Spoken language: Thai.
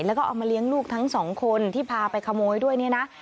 แล้วก็เอามาเลี้ยงลูกทั้งสองคนที่พาไปขโมยด้วยเนี่ยนะ